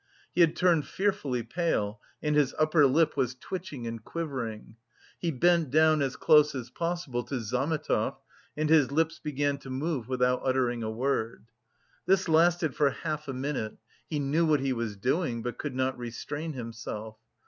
He had turned fearfully pale and his upper lip was twitching and quivering. He bent down as close as possible to Zametov, and his lips began to move without uttering a word. This lasted for half a minute; he knew what he was doing, but could not restrain himself.